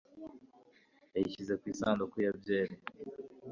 yayishyize ku isanduku ya byeri